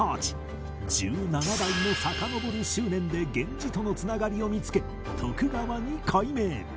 １７代もさかのぼる執念で源氏との繋がりを見つけ徳川に改名